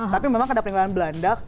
tapi memang ada peninggalan belanda